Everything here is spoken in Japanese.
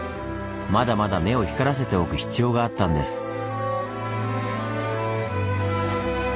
まだまだ目を光らせておく必要があったんです。